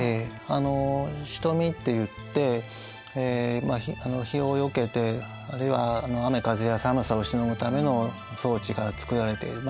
あの蔀っていって日をよけてあるいは雨風や寒さをしのぐための装置が作られている。